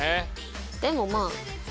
でもまあ。